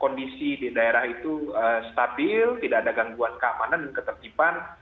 kondisi di daerah itu stabil tidak ada gangguan keamanan dan ketertiban